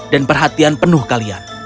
dan perhatian penuh kalian